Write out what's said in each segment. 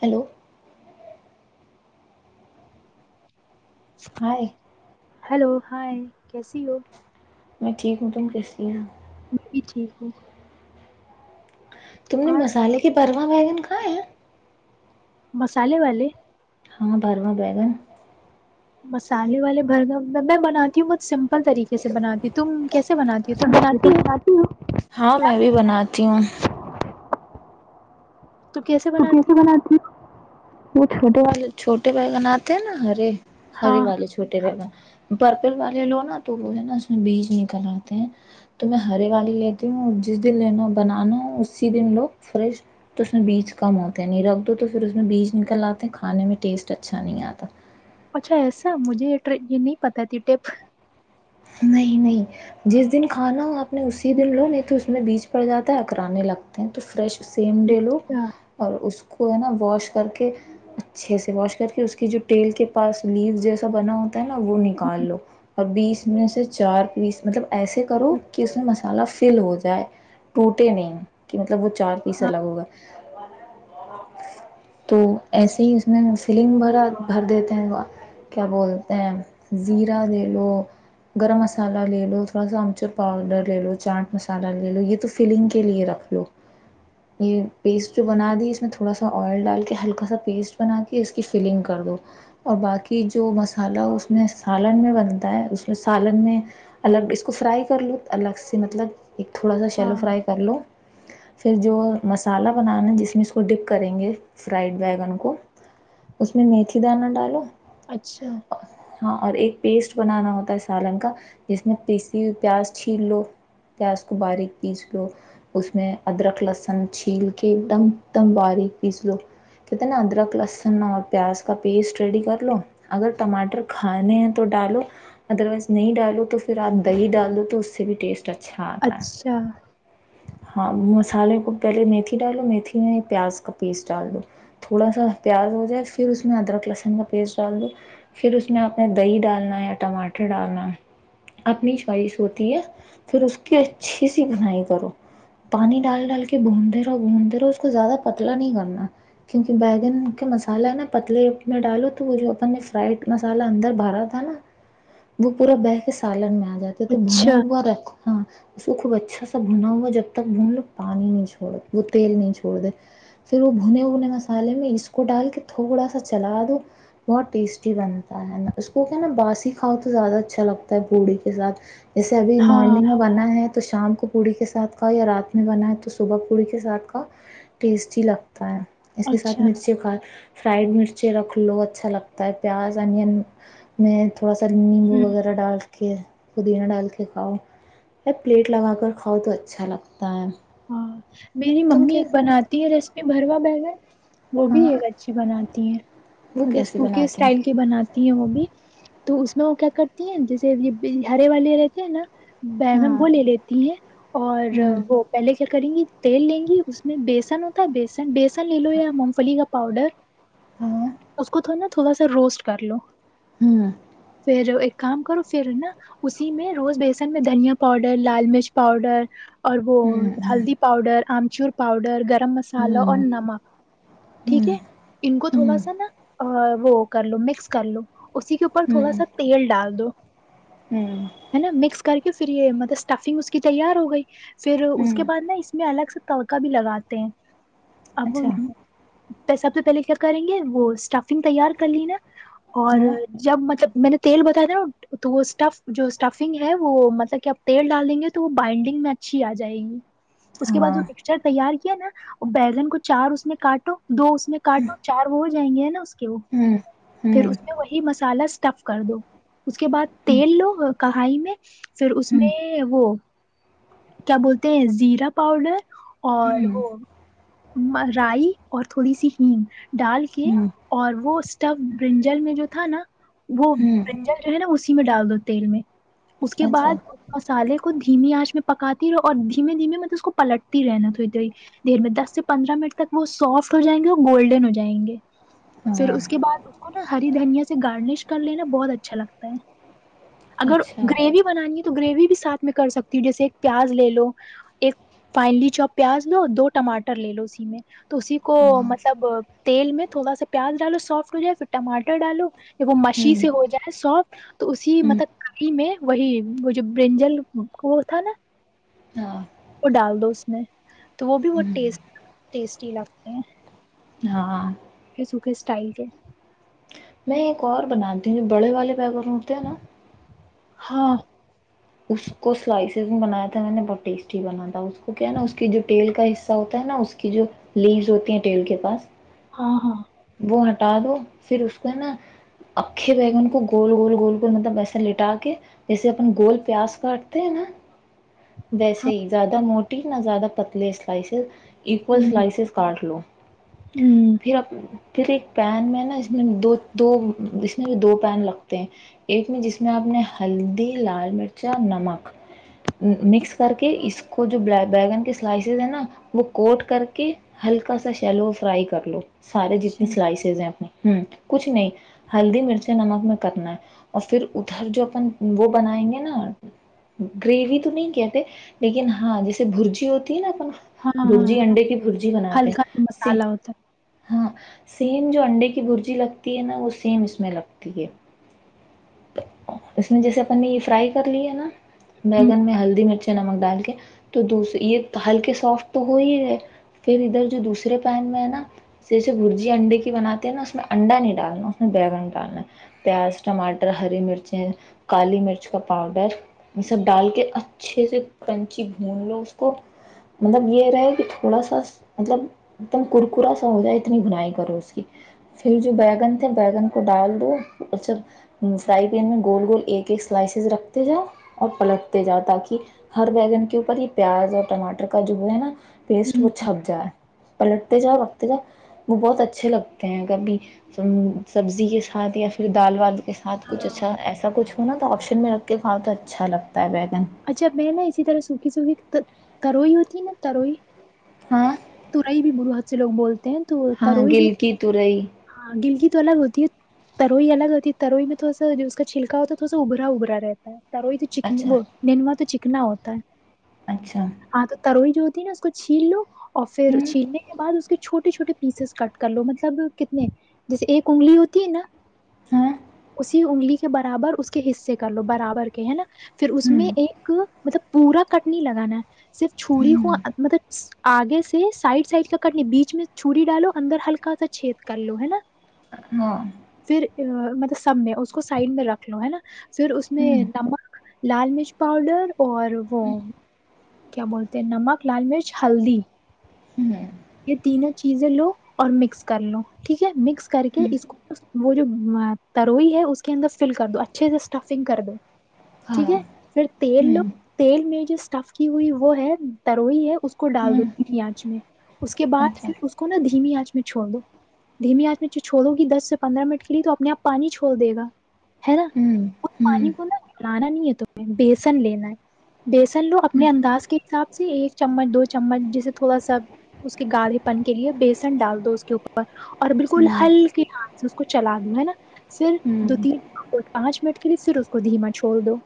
hello hi hello hi کیسی ہو میں ٹھیک ہوں تم کیس لیے میں بھی ٹھیک ہو تم نے مسالے کے بھر وہاں وگن کہ ہے مسالے والے ہاں برواں بیگن مسالے والے برگ میں بناتی ہوں بہت سمپل طریقے سے بناتی ہوں تم کیسے بناتی ہو تم بناتی ہو اتی ہ ہاں میں بھی بناتی ہوں تو کیسے بناتی ہو وہ چھوٹے والے چھوٹے بھگناتے ہیں نا ہرے ہاں ہرے والے چھوٹے رہگان پرپل والے لو نا تو وہ جو ہے نا اس میں بیج نکل آتے ہیں تو میں ہرے والی لیتی ہوں جس دن لینا بنانا اسی دن لوگ فریش تو اس میں بیج کم ہوتے ہیں نہیں رکھ دو تو پھر اس میں بیج نکل آتے ہیں کھانے میں ٹیسٹ اچھا نہیں آتا اچھا ایسا مجھے یہ یہ نہیں پت تھی ٹپ نہیں نہیں جس دن کھانا ہو آپ نے اسی دن لو نہیں تو اس میں بیج پڑ جاتا ہے اکرانے لگتے ہیں تو فریش سیم ڈے لو اچھا اور اس کو ہے نا واش کر کے اچھے سے واش کر کے اس کی جو ٹیل کے پاس لیو جیسا بنا ہوتا ہے نا وہ نکال لو اور بیس میں سے چار پیس مطلب ایسے کرو کہ اچھا اس میں مصالحہ فل ہو جائے ٹوٹے نہیں کی مطلب وہ چار پیس ہاں الگ ہوگا تو ایسے ہی اس میں سلنگ وغیرہ بھر دیتے ہیں کیا بولتے ہیں زیرا لے لو گرم مسالہ لے لو تھوڑا سا امچور پاؤڈر لے لو چاٹ مسالہ لے لو یہ تو فلنگ کے لیے رکھ لو یہ پیسٹ جو بنا دی اس میں تھوڑا سا آئل ڈال کے ہلکا سا پیسٹ بنا کے اس کی فلنگ کر دو اور باقی جو مسالہ اس میں سالن میں بنتا ہے اس سالن میں الگ اس کو فرائی کر لو الگ سے مطلب ایک تھوڑا سا شیلو ہاں فرائی کر لو پھر جو مسالہ بنانا جس میں اس کو ڈپ کریں گے فرائڈ بیگن کو اس میں میتھی دانا ڈالو اچھا ہاں اور ایک پیسٹ بنانا ہوتا ہے اس سالن کا جس میں پیسی ہو پیاز چھیل لو پیاز کو باریک پیس لو اس میں ادرک لہسن چھیل کے ایک دم دم باریک پیس لو کہتے ہیں نا ادرک لہسن اور پیاز کا پیسٹ ریڈی کر لو اگر ٹماٹر کھانے ہیں تو ڈالو ادر وائز نہیں ڈالو تو پھر آپ دہی ڈال دو تو اس سے بھی ٹیسٹ اچھا آتا ہے اچھا ہاں مسالے کو پہلے میتھی ڈالو میتھی میں پیاز کا پیسٹ ڈال دو تھوڑا سا پیاز ہو جائے پھر اس میں ادرک لہسن کا پیسٹ ڈال دو پھر اس میں اپنا دہی ڈالنا یا ٹماٹر ڈالنا اپنی چوائس ہوتی ہے پھر اس کی اچھی سی بنائی کرو پانی ڈال ڈال کے بھونتے رہو بھونتے رہو اس کو زیادہ پتلا نہیں کرنا کیونکہ بیگن کا مسالا ہے نا پتلے میں ڈالو تو وہ جو اپ فرائڈ مسالہ اندر بارا تھا نا وہ پورا بہہ کے سالن میں یہ تو بنہ اچھا ہوا رکھو ہاں اس کو خوب اچھا سا بنا ہوا جب تک بھون لو پانی نہیں چھوڑ وہ تیل نہیں چھوڑ دے پھر وہ بھنے بنے مسالے میں اس کو ڈال کے تھوڑا سا چلا دو بہت ٹیسٹی بنتا ہے نا اس کو کیا ہے نا باسی کھاؤ تو زیادہ اچھا لگتا ہے پوڑی کے ساتھ جیسے ابھی ہاں مارنگ میں بنا ہے تو شام کو پوڑی کے ساتھ کا یا رات میں بنا ہے تو صبح پوڑی کے ساتھ کا ٹیسٹ لگتا اس کے ساتھ اچھا مرچی کا فرائڈ مرچیں رکھ لو اچھا لگتا ہے پیاز انین میں تھوڑا سا نیمبو ہوں وغیرہ ڈال پودینہ ڈال کے کھاؤ پلیٹ لگا کر کاؤ تو چلو ہاں میری ممی ایک بناتی ہے ریسیپی بروا بیگن وہ بھی ہاں ایک اچھی بناتی وہ ہیں بس کیسے انکے بناتی سٹائل کی بناتی ہیں وہ بھی تو اس میں وہ کیا کرتی ہیں جیسے یہ ہرے والے رہتے ہیں نا بگن ہاں وہ لے لیتی ہیں اور ہوں وہ کریں گی تیل لیں گی اس میں بیسن ہوتا ہے بیسن بیسن لے لو یا مونگ پلی کا پاؤڈر ہاں اس کو تھوڑا نا تھوڑا سا روسٹ کر لو ہوں پھر ایک کام کرو پھر نا اسی میں روز بیسن میں دھنیا پاؤڈر لال مرچ پاؤڈر اور وہ ہوں ہوں ہلدی پاؤڈر آمچور پاؤڈر گ [unintelligible] مسالا اور ہوں نمک ٹھیک ہے ان کو تھوڑا ہوں سا نا وہ کر لو مکس کرلو اسی کے اوپر تھوڑا ہوں سا تیل ڈال دو ہوں ہے نا مکس کر کے پھر یہ مطلب اسٹفنگ اس کی تیار ہوگی کوئی [unintelligible] پھر اس اس کے ہوں بعد نا اس میں الگ سے تڑکا بھی لگاتے ہیں اب اچھا پیسہ تو [unintelligible] پہلے کیا کریں گے وہ اسٹفنگ تیار کر لینا اور ہاں جب مطلب میں نے تیل بتایا تھا نا تو وہ اسٹف جو اسٹفنگ ہے وہ مطلب کہ آپ تیل ڈال دیں گے تو وہ بائنڈنگ میں اچھی آ جائے گی اس کے بعد ہاں جو ایکسٹرا تیار کیا [unintelligible] بیگن کو چار اس نے کاٹو دو اس میں کاٹو چار ہو جائیں گے نا اس کے ہوں پھر ہوں اس میں وہی مصالحہ سٹف کر دو اس کے بعد تیل لو کڑاہی میں پھر اس ہوں میں وہ کیا بولتے ہیں زیرا پاؤڈر ہوں اور وہ ہوں رائی اور تھوڑی سی ہگ ڈال کے اور وہ اسٹو برنجل میں جو تھا نا وہ ہوں برنجل جو ہے نا اسی میں ڈال دو تیل میں اس کے اچھا بعد مسالے دھیمی آنچ میں پکاتی رہو اور د [inaudible] دھیمے دھیمے میں تو اس کو پلٹتی رہنا تھوڑی تھوڑی دیر میں دس سے پندرہ منٹ تک وہ سافٹ ہو جائیں گے اور گولڈن ہو جائیں گے پھر ہاں اس کے بع اس کو نا ہری دھنیا سے گارنش کر لینا بہت اچھا لگتا ہے اگر اچھا گریوی بنانی ہے تو گریوی بھی ساتھ میں کر سکتی ہوں جیسے ایک پیاز لے لو ایک فائنلی چوپ یاد لو دو ٹماٹر لے لو سیدھے ہاں وہ مشین ہوں سے ہو جائے ساف تو اسی ہوں مطلب کڑی میں وہی وہ جو برنجل وہ تھا نا ہاں وہ ڈال دو اس نے تو وہ بھی وہ ہوں ٹیسٹ ٹیسٹی لگتے ہیں ہاں [inaudible] میں ایک اور بناتی ہوں جو بڑے والے پ کروں ہوتے ہیں نا ہاں اس کو سلائسز میں بنایا تھا میں نے بہت ٹیسٹی بنا تھا اس کو کہنا اس کی جو ٹیل کا حصہ ہوتا ہے نا اس کے لیو ہوتی ہیں ٹیل کے پاس ہاں ہاں وہ ہٹا دو فیر اس کو نا اکھے بیگم کو گول گول گول کر مطلب پیسے لٹا کے جیسے اپنے گول پیاز کاٹتے ہیں نا ویسے ہاں ہی زیادہ موٹ نہ زیادہ پتلے سلائسز اکول ہ سلائسیز کاٹ لو ہ پھر اپ تی پین میں نا اس میں دو دو اس طرح کے دو پین لگتے ہیں ایک میں جس میں اپ نے ہلدی لال مرچہ نمک مکس کر کے اس کو جو بینگن کے سلائسز ہیں نا وہ کوٹ کر کے ہلکا سا شیلو فرائی کر لو سارے اچھا جتنی سلائسیز کچھ نہیں ہلدی مرچ نمک میں کنا ہے اور پھر ادھر جو اپن وہ بنائیں گے نا گریوی تو نہیں کہتے لیکن ہاں جیسے برجی ہوتی نا اپ ہاں ہاں برجی انڈے کی برجی بناتے ہلکا ہیں مسالہ ہوتا ہاں سین جو انڈے کی برجی لگتی ہے نا وہ سیم اس میں لگتی ہے [inaudible] جیسے اپن نے یہ فرائی کر لی ہے نا ہے ہ بینگن میں ہلدی مرچیں نمک ڈال کے توسر یہ ہلکے سافٹ تو ہو ہی گئے پھر ادھر جو دوسرے پین میں ہے نا اسے برجی انڈے کی بناتے ہیں نا اس میں انڈا نہیں ڈالنا اس میں ڈالنا ہے پیاز ٹماٹر ہری مرچیں کالی مرچ کا پاؤڈر یہ سب ڈال کے اچھے سے پن کی بھون لو اس کو مطلب یہ رہے کہ تھوڑا سا مطلب تم کرکرا سا ہو جائے اتنی بھنائی پھر جو بیگن تھے بیگن کو ڈال دو گول گول ایک ایک سلائسز رکھتے جاؤ اور پلٹتے جاؤ تاکہ ہر بین کے اوپر یہ پیاز اور ٹماٹر کا جملہ ہے نا ہ پیسٹ وہ ہ چھپ جائے پلٹتے جاؤ رکھتے جا وہ بہت اچھا اچھے لگتے ہیں کبھی سبزی کے ساتھ یا پھر دال وال کے ساتھ کچھ ہاں اچھا ایسا کچھ ہو نا تو آپشن میں رکھ کے کھاؤ تو اچھا لگتا ہے بیت اچھا میں نا اسی طرح سوکھی سوکھی تروئی ہوتی تروئی ہاں توورائی بھی بڑو ہاتھ سے لوگ بولتے تو ہاں تروئی جو گل کی تورئی ہاں گلک [inaudible] تارو تو چنی اچھا وہ نینوا تو اکنا ہوتا ہے اچھا ہاں تو ترو ہی جو ہوتی نا اس کو چھین لو اور پھر ہوں چھیلنے کے بعد اس چھوٹے چھوٹے پیسز کٹ کر لو مطلب کتنے جیسے ایک انگلی ہوتی ہے نا ہاں اسی انگلی کے برابر اس کے حصے کر لو برابر کے ہے نا پھر اس میں ہوں ایک مطلب پورا کٹنی لگانا ہے صرف چھوڑی ہو ہوں مطلب آگے سے سائڈ سائڈ کا کرنے بیچ میں چھی ڈالو اندر ہلکا سا چھید کر لو ہے نا ہاں پھر آ، مطلب سب میں اس کو سائڈ میں رکھ لو ہے نا پھر اس میں ہوں نمک لال مرچ پاؤڈر اور وہ ہوں کیا بولتے نمک لال مرچ ہلدی یہ تینوں چیزیں لو اور مکس کر لو ٹھیک ہے مکس کر کے ہوں اس کو وہ جو تروئی ہے اس کے اندر فل کر دو اچھے سے اسٹفنگ کر دو ہاں ٹھیک ہے پھر تیل لو ہوں تیل میں جو اسٹف کی ہوئی وہ ہے تروئی ہے اس کو ڈال دو ہوں پیاچ میں اس کے اچھا بعدھر اس کو نا دھیمی آنچ میں چھوڑ دو دھیمی آنچ میں چھوڑو گی دس سے پندرہ منٹ کے لیے تو اپنے آپ پانی چھوڑ دے گا ہے نا ہوں اس ہوں پانی کو نا بلانا نہیں ہے تمہیں بیسن لینا ہے بیسن لو اپنے انداز کے حساب سے ایک چمچ دو چمچ جیسے تھوڑا سا اس کے گھے پن کے لیے بیسن ڈال دو اس کے اوپر اور بالکل ہوں ہلکی ہ اس کو چلا دوں ہے نا پر دو ہوں تین اور پانچ منٹ کے لیے پھر اس کو دھیما چھوڑ دو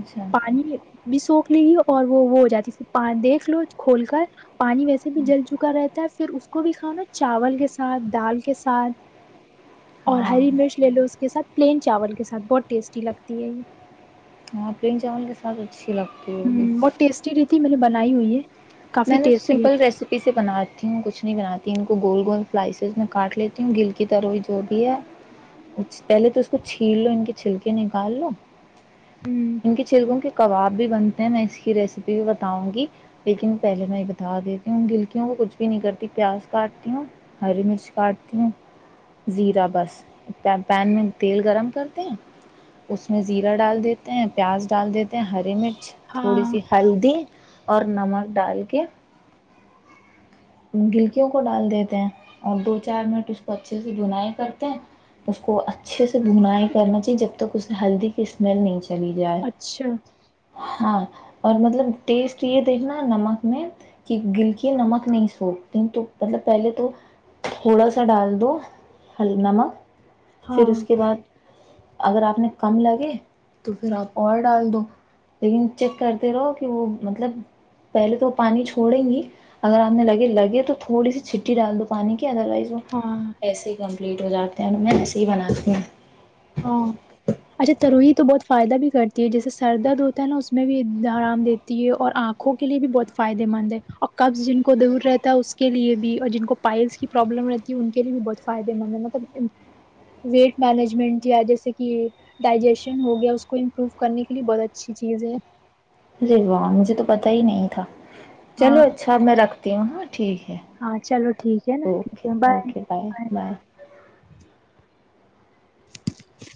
اچھا پانی بھی سو لی اور وہ وہ ہو جاتی پ دیکھ لو کھول کر پانی ویسے بھی جل چکا رہتا ہے پھر اس کو بھی کھاؤ نا چاول کے ساتھ دال کے ساتھ اور ہاں ہری مرچ لے لو اس کے ساتھ پلین چاول کے ساتھ بہت ٹیسٹی لگتی ہے یہ ہاں پلین چاول کے ساتھ اچھی لگتی ہ ہوگی بہت ٹٹیسٹی ر میں نے بنائی ہوئی ہے کافی میں نے ٹیسٹی سمپل ریسیپی سے بناتی ہوں کچھ نہیں بناتی گول گول سلائسیز میں کاٹ لیتی ہوں گل کی تروئی جو بھی ہے پہلے تو اس کو چھین لو ان کے چھلکے نکال لو رہتی ہ ان کے چڑگوں کے کباب بھی بنتے ہیں میں اس کی ریسیپی بھی بتاؤں گی لیکن پہلے میں یہ بتا دیتی ہوں گلکیوں کو کچھ بھی نہیں کرتی پیاز کاٹتی ہوں ہری مرچ کاٹتی ہوں زیرہ بس پین میں تیل گرم کرتے ہیں اس میں زیرہ ڈال دیتے ہیں پیاز ڈال دیتے ہیں ہری مرچ تھوڑی ہاں سی ہلدی اور نمک ڈال کے گلکیوں کو ڈال دیتے ہیں اور دو چار منٹ اس کو اچھے سے بنائی کرتے ہیں اس کو اچھے سے بنائی کرنا چاہیے جب تک اسے ہلدی کی اسمیل نہیں چاہی چلی جائے اچھا ہاں اور مطلب ٹیسٹ یہ دیکھنا نمک میں کہ گلک نمک نہیں س سوکھ د تو مطلب پہلے تو تھوڑا سا ڈال دو ہل نمک پھر ہاں اس کے بعد اگر آپ نے کم لگے تو پھر آپ اور ڈال دو لیکن چیک کرتے رہو کہ وہ مطلب پہلے تو پانی چھوڑیں گی اگر آپ نے لگے لگے تو تھوڑی سی چھٹی ڈال دو پانی کی ادروائز وہ ہاں ایسے ہی کم کمپلیٹ ہو جاتے ہیں میں ایسے ہی بنا سوں ہاں اچھا تروہت تو بہت فائدہ بھی کرتی ہے جیسے سر درد ہوتا ہے نا اس میں بھی آرام دیتی ہے اور آنکھوں کے لیے بھی بہت فائدے مند ہے اور قبض جن کو دور رہتا ہے اس کے لیے بھی اور جن کو پائلس کی پروابلم رہتی ہے ان کے لیے بھی بہت فائدے مند ہے مطلب ویٹ مینجمنٹ جیسے کہ ڈائجیشن ہو گیا اس کو امپروو کرنے کے لیے بہت اچھی چیز ہے ارے واہ مجھے تو پتا ہی نہیں تھا چلو ہاں اچھا میں رکھتا تاں ٹھیک ہے ہاں چلو ٹھیک ہے نا اوکے ٹھیک ہے اوکے بائے بائے [unintelligible]